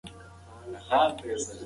موږ خپل کلتوري رنګونه نه پیکه کوو.